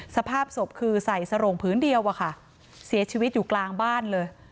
สภาพศพคือใส่สโรงพื้นเดียวอะค่ะเสียชีวิตอยู่กลางบ้านเลย